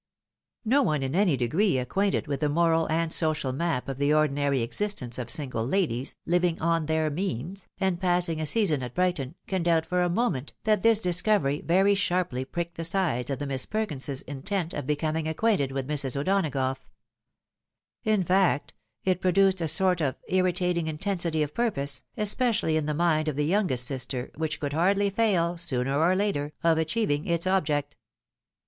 No one in any degree acquainted with the moral and social map of the ordinary existence of single ladies, " living on their means," and passing a season at Brighton, can doubt for a moment that this discovery very sharply pricked the sides of the Miss Perkinses' intent of becoming acquainted with Mrs. O'Donagough. In fact, it produced a sort of irritating intensity of purpose, especially in the mind of the youngest sister, which could hardly faU, sooner or later, of achieving its object.